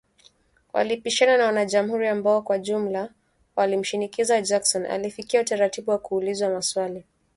Walipishana na wanajamhuri ambao kwa ujumla walimshinikiza Jackson, alifikia utaratibu wa kuulizwa maswali